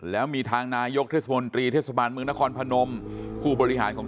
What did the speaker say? แล้วมีทางนายกเทศมนตรีเทศบาลเมืองนครพนมผู้บริหารของ